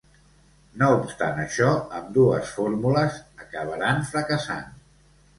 No obstant això, ambdues fórmules acabaran fracassant.